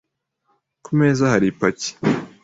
Ku meza hari ipaki.